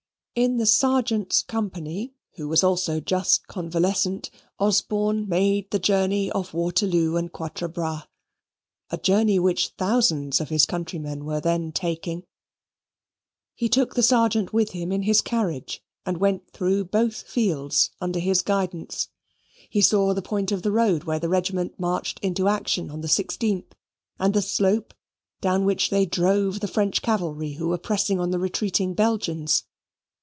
In the Sergeant's company, who was also just convalescent, Osborne made the journey of Waterloo and Quatre Bras, a journey which thousands of his countrymen were then taking. He took the Sergeant with him in his carriage, and went through both fields under his guidance. He saw the point of the road where the regiment marched into action on the 16th, and the slope down which they drove the French cavalry who were pressing on the retreating Belgians.